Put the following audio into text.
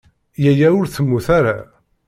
Yaya ur temmut ara.